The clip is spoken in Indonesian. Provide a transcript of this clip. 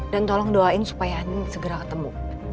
dan tolong doain supaya andin segera ketemu